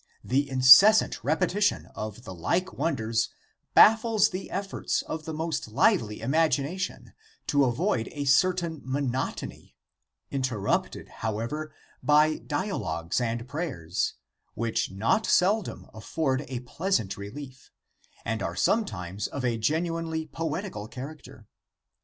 The incessant repeti tion of the like wonders baffles the efforts of the most lively imagination to avoid a certain monotony, interrupted, however, by dialogues and prayers, which not seldom afford a pleasant relief, and are sometimes of a genuinely poetical character.